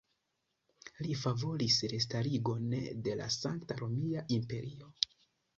Li favoris restarigon de la Sankta Romia Imperio.